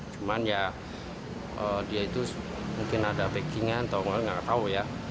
cuman ya dia itu mungkin ada backing an atau nggak tahu ya